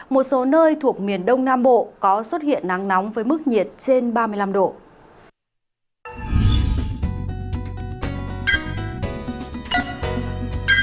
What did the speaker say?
một số nơi thuộc miền đông nam bộ có xuất hiện nắng nóng với mức nhiệt trời